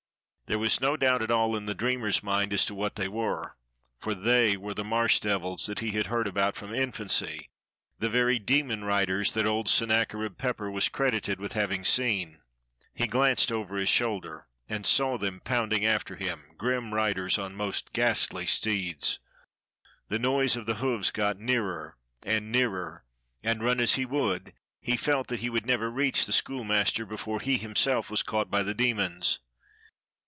There was no doubt at all in the dreamer's mind as to what they were, for they were the Marsh devils that he had heard about from infancy, the very demon riders that old Sennacherib Pepper was credited with having seen. He glanced over his shoulder and saw them pounding after him, grim riders on most S6 DOGGING THE SCHOOLIVIASTER 57 ghastly steeds. The noise of the hoofs got nearer and nearer, and run as he would, he felt that he would never reach the schoolmaster before he himself was caught by the demons.